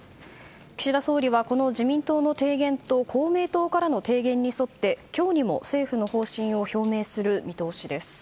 岸田総理は自民党の提言と公明党からの提言に沿って今日にも政府の方針を表明する見通しです。